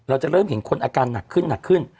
เราจะเริ่มเห็นคนอาการหนักขึ้น